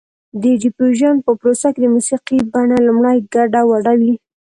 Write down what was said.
د ډیفیوژن په پروسه کې د موسیقۍ بڼه لومړی ګډه وډه وي